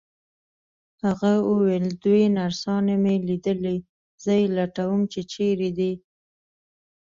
هغه وویل: دوې نرسانې مي لیدلي، زه یې لټوم چي چیري دي.